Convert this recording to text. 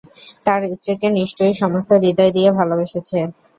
তার স্ত্রীকে নিশ্চয়ই সমস্ত হৃদয় দিয়ে ভালোবেসেছে।